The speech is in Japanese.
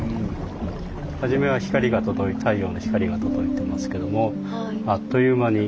初めは太陽の光が届いてますけどもあっという間に。